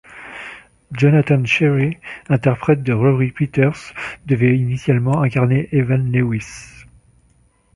Jonathan Cherry, interprète de Rory Peters, devait initialement incarner Evan Lewis.